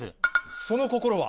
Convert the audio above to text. その心は？